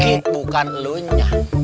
itu kan lunyak